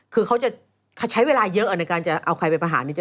คือเขาจะใช้เวลาเยอะในการจะเอาใครไปประหาร